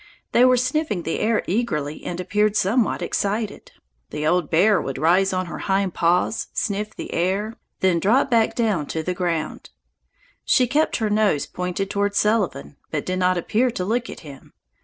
They were sniffing the air eagerly and appeared somewhat excited. The old bear would rise on her hind paws, sniff the air, then drop back to the ground. She kept her nose pointed toward Sullivan, but did not appear to look at him.